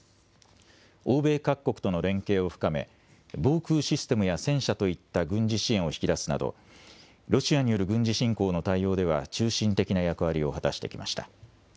欧米各国との連携を深め、防空システムや戦車といった軍事支援を引き出すなど、ロシアによる軍事侵攻の対応では、中心的な役割を果たしてきました。